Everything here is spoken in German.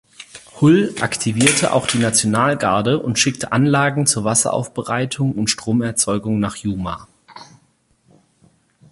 Hull aktivierte auch die Nationalgarde und schickte Anlagen zur Wasseraufbereitung und Stromerzeugung nach Yuma.